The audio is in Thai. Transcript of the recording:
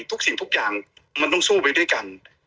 ทุกสิ่งทุกอย่างมันต้องสู้ไปด้วยกัน